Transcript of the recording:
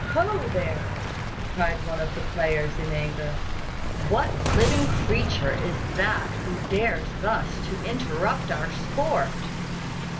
"Ho, there!" cried out the players in anger, "what living creature is that who dares thus to interrupt our sport?"